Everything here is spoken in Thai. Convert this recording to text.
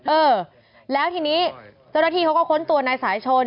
เออแล้วทีนี้เจ้าหน้าที่เขาก็ค้นตัวนายสายชน